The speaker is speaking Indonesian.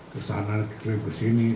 kesana diklaim kesini